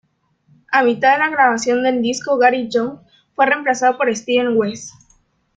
A mitad de la grabación del disco, Gary Young fue reemplazado por Steve West.